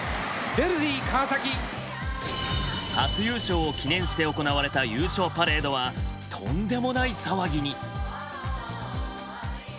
初優勝を記念して行われた優勝パレードはとんでもない騒ぎに。